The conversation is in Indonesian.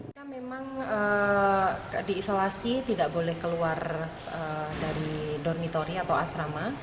kita memang diisolasi tidak boleh keluar dari dormitori atau asrama